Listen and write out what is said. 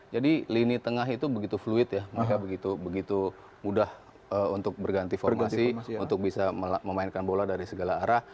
jadi lini tengah itu begitu fluid ya mereka begitu mudah untuk berganti formasi untuk bisa memainkan bola dari segala arah